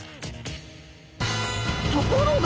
ところが！